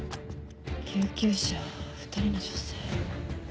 救急車２人の女性。